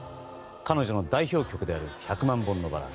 彼女の代表曲である「百万本のバラ」。